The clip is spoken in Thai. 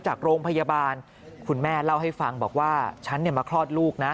จากโรงพยาบาลคุณแม่เล่าให้ฟังบอกว่าฉันมาคลอดลูกนะ